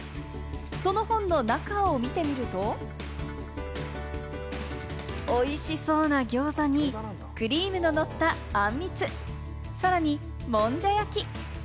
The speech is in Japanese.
その本の中を見てみると、おいしそうなギョーザに、クリームののったあんみつ、さらに、もんじゃ焼き。